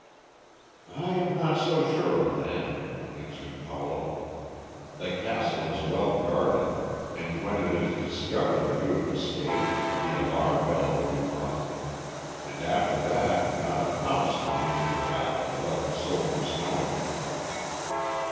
"I am not so sure of that," answered Paulo. "The castle is well guarded, and when it is discovered that you have escaped, the alarm bell will be rung, and after that not a mouse can leave the valley without the soldiers knowing it."